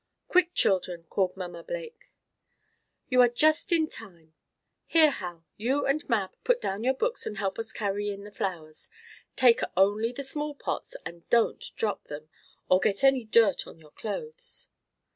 "Quick, children!" called Mamma Blake, "You are just in time! Here, Hal, you and Mab put down your books" and help us to carry in the flowers. Take only the small pots, and don't drop them, or get any dirt on your clothes."